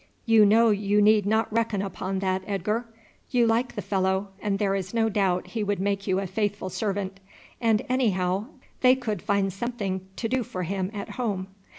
You know you need not reckon upon that, Edgar. You like the fellow, and there is no doubt he would make you a faithful servant; and anyhow they could find something to do for him at home."